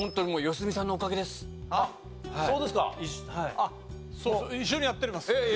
あっ一緒にやっております。